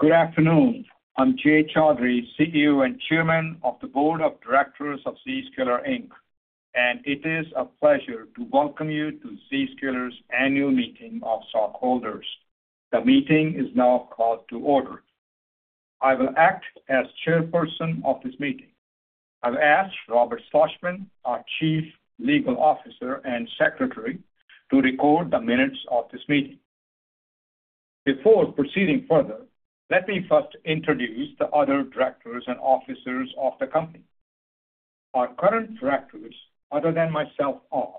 Good afternoon. I'm Jay Chaudhry, CEO and Chairman of the Board of Directors of Zscaler, Inc., and it is a pleasure to welcome you to Zscaler's annual meeting of stockholders. The meeting is now called to order. I will act as Chairperson of this meeting. I will ask Robert Schlossman, our Chief Legal Officer and Secretary, to record the minutes of this meeting. Before proceeding further, let me first introduce the other directors and officers of the company. Our current directors, other than myself, are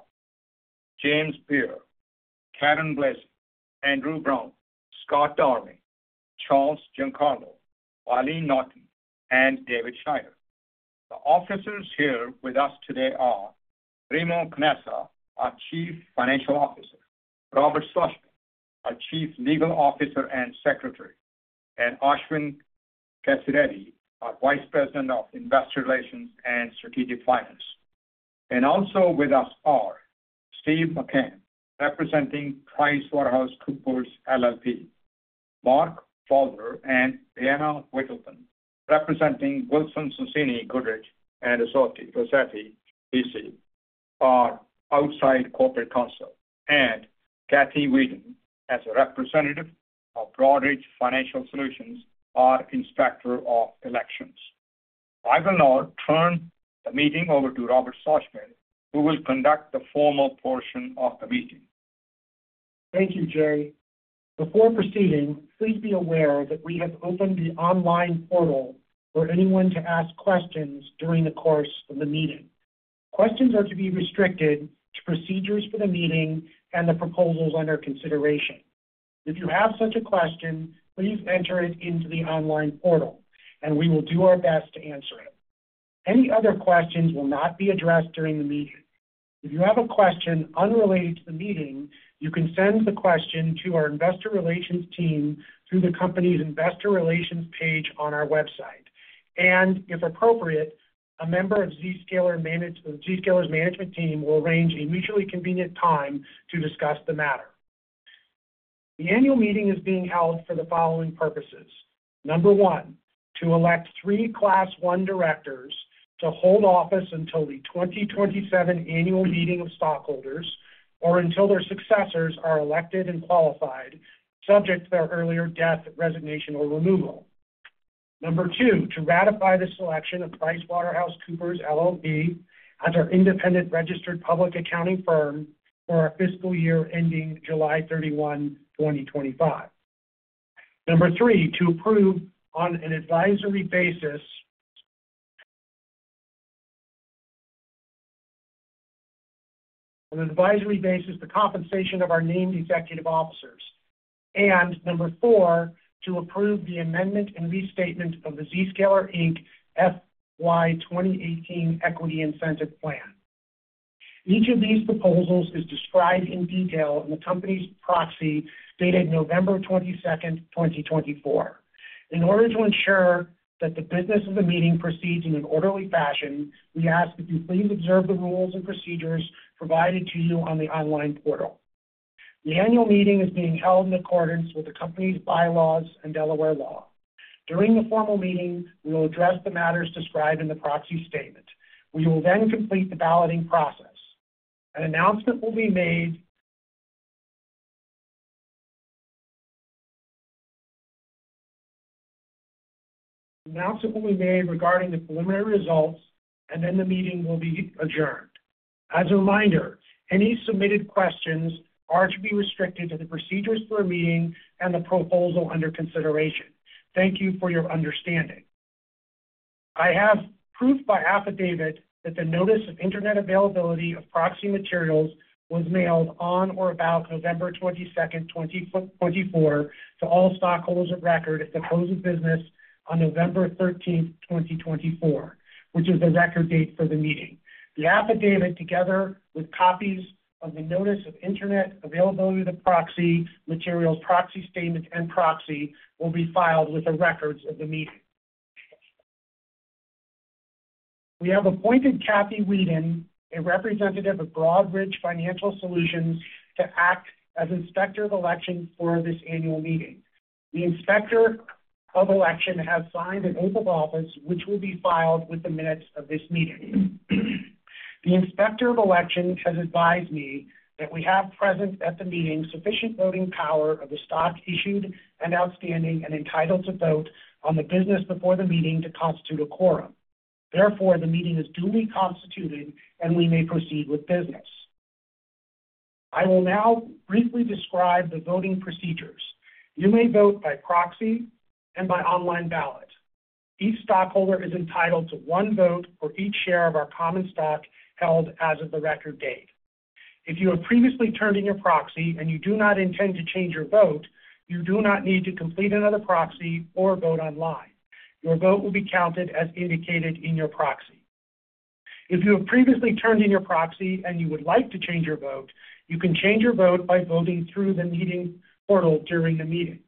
James Beer, Karen Blasing, Andrew Brown, Scott Darling, Charles Giancarlo, Eileen Naughton, and David Schneider. The officers here with us today are Remo Canessa, our Chief Financial Officer; Robert Schlossman, our Chief Legal Officer and Secretary; and Ashwin Kesireddy, our Vice President of Investor Relations and Strategic Finance. Also with us are Steve McCann, representing PricewaterhouseCoopers LLP, Mark Baudler and Anna Whittington, representing Wilson Sonsini Goodrich & Rosati LLP, our outside corporate counsel, and Kathy Weeden as a representative of Broadridge Financial Solutions, our Inspector of Elections. I will now turn the meeting over to Robert Schlossman, who will conduct the formal portion of the meeting. Thank you, Jay. Before proceeding, please be aware that we have opened the online portal for anyone to ask questions during the course of the meeting. Questions are to be restricted to procedures for the meeting and the proposals under consideration. If you have such a question, please enter it into the online portal, and we will do our best to answer it. Any other questions will not be addressed during the meeting. If you have a question unrelated to the meeting, you can send the question to our Investor Relations team through the company's Investor Relations page on our website, and if appropriate, a member of Zscaler's management team will arrange a mutually convenient time to discuss the matter. The annual meeting is being held for the following purposes: Number one, to elect three Class I directors to hold office until the 2027 annual meeting of stockholders or until their successors are elected and qualified, subject to their earlier death, resignation, or removal. Number two, to ratify the selection of PricewaterhouseCoopers LLP as our independent registered public accounting firm for our fiscal year ending July 31, 2025. Number three, to approve on an advisory basis the compensation of our named executive officers. And number four, to approve the amendment and restatement of the Zscaler, Inc. FY 2018 Equity Incentive Plan. Each of these proposals is described in detail in the company's proxy dated November 22, 2024. In order to ensure that the business of the meeting proceeds in an orderly fashion, we ask that you please observe the rules and procedures provided to you on the online portal. The annual meeting is being held in accordance with the company's bylaws and Delaware law. During the formal meeting, we will address the matters described in the proxy statement. We will then complete the balloting process. An announcement will be made regarding the preliminary results, and then the meeting will be adjourned. As a reminder, any submitted questions are to be restricted to the procedures for a meeting and the proposal under consideration. Thank you for your understanding. I have proof by affidavit that the notice of internet availability of proxy materials was mailed on or about November 22, 2024, to all stockholders of record at the close of business on November 13, 2024, which is the record date for the meeting. The affidavit, together with copies of the notice of internet availability of the proxy materials, proxy statements, and proxy, will be filed with the records of the meeting. We have appointed Kathy Weeden, a representative of Broadridge Financial Solutions, to act as Inspector of Elections for this annual meeting. The Inspector of Elections has signed an Oath of Office, which will be filed with the minutes of this meeting. The Inspector of Elections has advised me that we have present at the meeting sufficient voting power of the stock issued and outstanding and entitled to vote on the business before the meeting to constitute a quorum. Therefore, the meeting is duly constituted, and we may proceed with business. I will now briefly describe the voting procedures. You may vote by proxy and by online ballot. Each stockholder is entitled to one vote for each share of our common stock held as of the record date. If you have previously turned in your proxy and you do not intend to change your vote, you do not need to complete another proxy or vote online. Your vote will be counted as indicated in your proxy. If you have previously turned in your proxy and you would like to change your vote, you can change your vote by voting through the meeting portal during the meeting.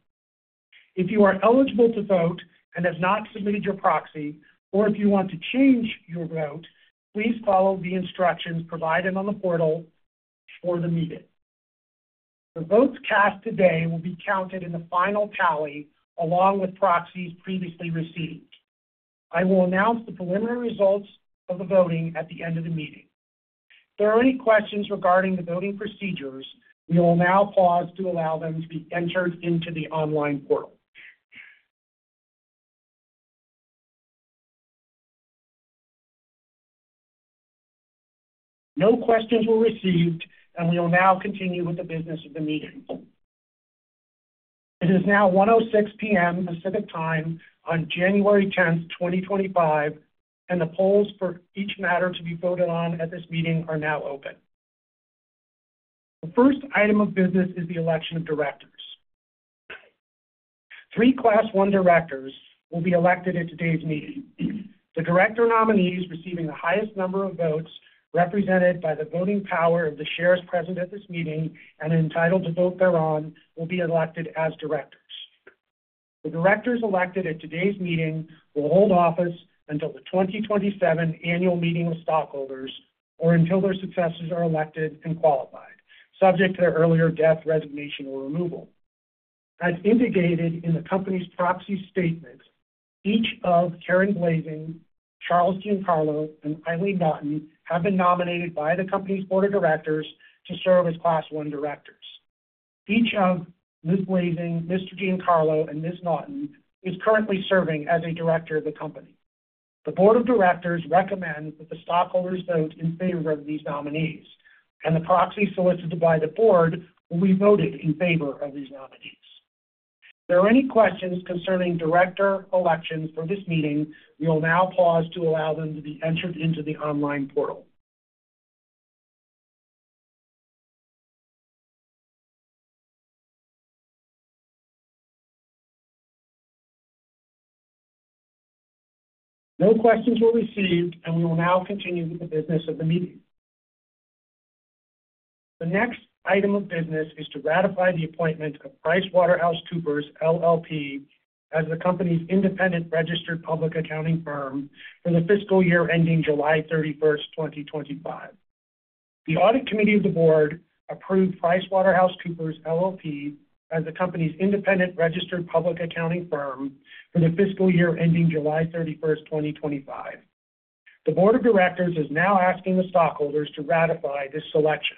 If you are eligible to vote and have not submitted your proxy, or if you want to change your vote, please follow the instructions provided on the portal for the meeting. The votes cast today will be counted in the final tally along with proxies previously received. I will announce the preliminary results of the voting at the end of the meeting. If there are any questions regarding the voting procedures, we will now pause to allow them to be entered into the online portal. No questions were received, and we will now continue with the business of the meeting. It is now 1:06 P.M. Pacific Time on January 10, 2025, and the polls for each matter to be voted on at this meeting are now open. The first item of business is the election of directors. Three Class I directors will be elected at today's meeting. The director nominees receiving the highest number of votes, represented by the voting power of the shares present at this meeting and entitled to vote thereon, will be elected as directors. The directors elected at today's meeting will hold office until the 2027 annual meeting of stockholders or until their successors are elected and qualified, subject to their earlier death, resignation, or removal. As indicated in the company's proxy statement, each of Karen Blasing, Charles Giancarlo, and Eileen Naughton have been nominated by the company's board of directors to serve as Class I directors. Each of Ms. Blasing, Mr. Giancarlo, and Ms. Naughton is currently serving as a director of the company. The board of directors recommends that the stockholders vote in favor of these nominees, and the proxy solicited by the board will be voted in favor of these nominees. If there are any questions concerning director elections for this meeting, we will now pause to allow them to be entered into the online portal. No questions were received, and we will now continue with the business of the meeting. The next item of business is to ratify the appointment of PricewaterhouseCoopers LLP as the company's independent registered public accounting firm for the fiscal year ending July 31, 2025. The Audit Committee of the Board approved PricewaterhouseCoopers LLP as the company's independent registered public accounting firm for the fiscal year ending July 31, 2025. The Board of Directors is now asking the stockholders to ratify this selection.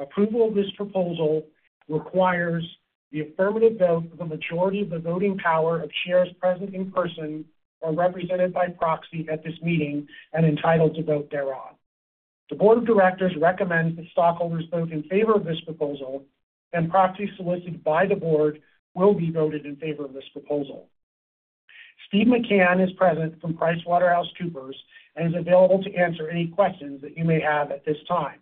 Approval of this proposal requires the affirmative vote of a majority of the voting power of shares present in person or represented by proxy at this meeting and entitled to vote thereon. The Board of Directors recommends that stockholders vote in favor of this proposal, and proxies solicited by the Board will be voted in favor of this proposal. Steve McCann is present from PricewaterhouseCoopers and is available to answer any questions that you may have at this time.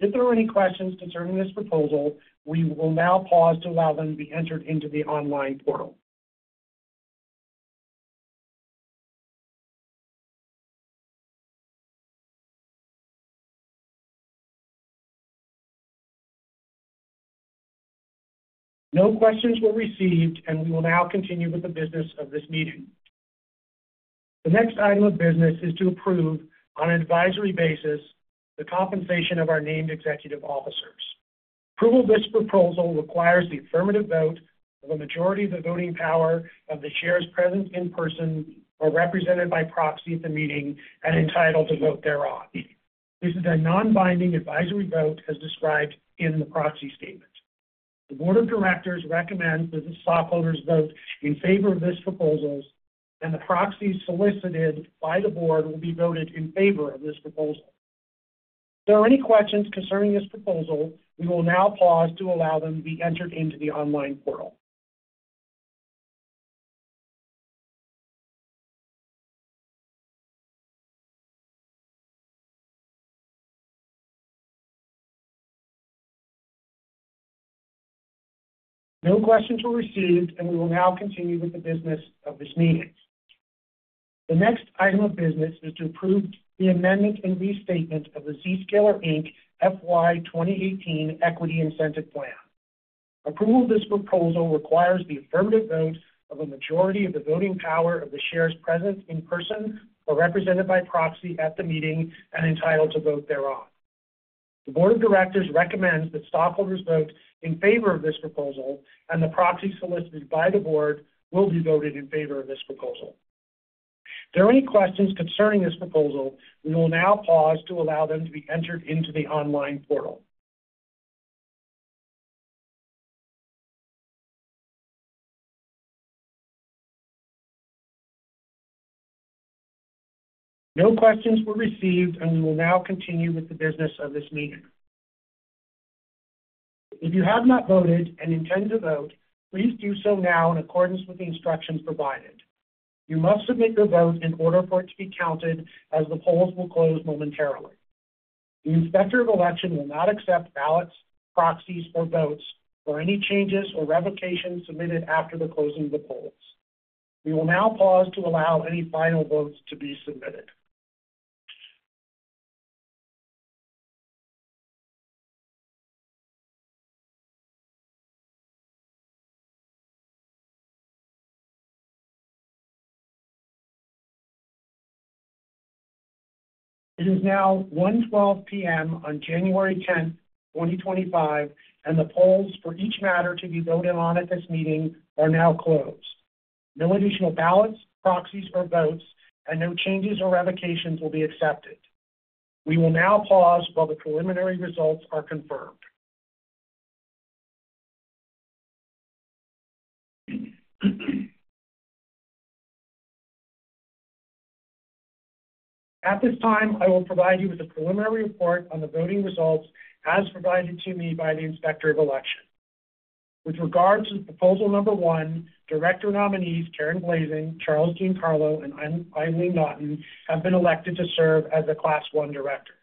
If there are any questions concerning this proposal, we will now pause to allow them to be entered into the online portal. No questions were received, and we will now continue with the business of this meeting. The next item of business is to approve on an advisory basis the compensation of our named executive officers. Approval of this proposal requires the affirmative vote of a majority of the voting power of the shares present in person or represented by proxy at the meeting and entitled to vote thereon. This is a non-binding advisory vote as described in the proxy statement. The board of directors recommends that the stockholders vote in favor of this proposal, and the proxies solicited by the board will be voted in favor of this proposal. If there are any questions concerning this proposal, we will now pause to allow them to be entered into the online portal. No questions were received, and we will now continue with the business of this meeting. The next item of business is to approve the amendment and restatement of the Zscaler Inc. FY 2018 Equity Incentive Plan. Approval of this proposal requires the affirmative vote of a majority of the voting power of the shares present in person or represented by proxy at the meeting and entitled to vote thereon. The board of directors recommends that stockholders vote in favor of this proposal, and the proxies solicited by the board will be voted in favor of this proposal. If there are any questions concerning this proposal, we will now pause to allow them to be entered into the online portal. No questions were received, and we will now continue with the business of this meeting. If you have not voted and intend to vote, please do so now in accordance with the instructions provided. You must submit your vote in order for it to be counted as the polls will close momentarily. The Inspector of Elections will not accept ballots, proxies, or votes for any changes or revocations submitted after the closing of the polls. We will now pause to allow any final votes to be submitted. It is now 1:12 P.M. on January 10, 2025, and the polls for each matter to be voted on at this meeting are now closed. No additional ballots, proxies, or votes, and no changes or revocations will be accepted. We will now pause while the preliminary results are confirmed. At this time, I will provide you with a preliminary report on the voting results as provided to me by the Inspector of Elections. With regard to the proposal number one, director nominees Karen Blasing, Charles Giancarlo, and Eileen Naughton have been elected to serve as the Class I Directors.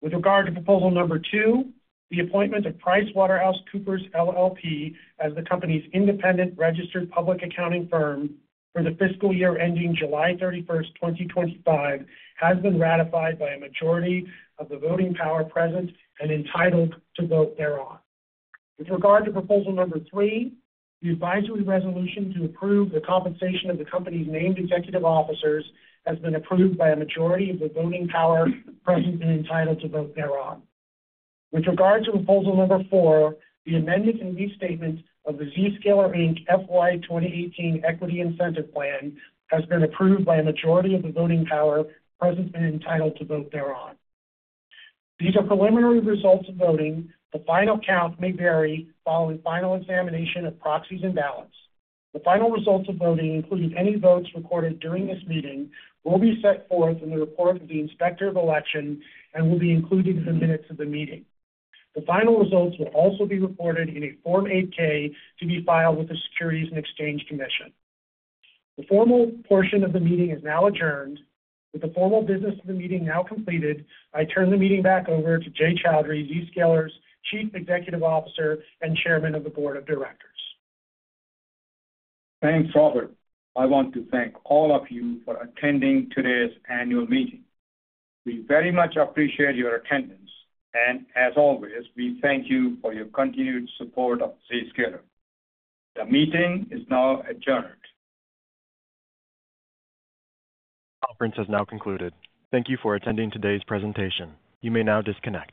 With regard to proposal number two, the appointment of PricewaterhouseCoopers LLP as the company's independent registered public accounting firm for the fiscal year ending July 31, 2025, has been ratified by a majority of the voting power present and entitled to vote thereon. With regard to proposal number three, the advisory resolution to approve the compensation of the company's named executive officers has been approved by a majority of the voting power present and entitled to vote thereon. With regard to proposal number four, the amendment and restatement of the Zscaler, Inc. FY 2018 Equity Incentive Plan has been approved by a majority of the voting power present and entitled to vote thereon. These are preliminary results of voting. The final count may vary following final examination of proxies and ballots. The final results of voting, including any votes recorded during this meeting, will be set forth in the report of the Inspector of Elections and will be included in the minutes of the meeting. The final results will also be recorded in a Form 8-K to be filed with the Securities and Exchange Commission. The formal portion of the meeting is now adjourned. With the formal business of the meeting now completed, I turn the meeting back over to Jay Chaudhry, Zscaler's Chief Executive Officer and Chairman of the Board of Directors. Thanks, Robert. I want to thank all of you for attending today's annual meeting. We very much appreciate your attendance, and as always, we thank you for your continued support of Zscaler. The meeting is now adjourned. Conference has now concluded. Thank you for attending today's presentation. You may now disconnect.